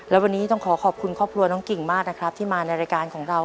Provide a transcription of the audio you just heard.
และวันนี้ต้องขอขอบคุณครอบครัวน้องกิ่งมากนะครับที่มาในรายการของเรา